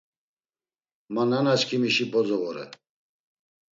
Ma nanaçkimişi bozo vore.